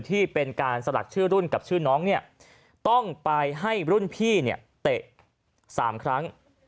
ที่เป็นการสลักชื่อรุ่นกับชื่อน้องเนี่ยต้องไปให้รุ่นพี่เนี่ยเตะ๓ครั้ง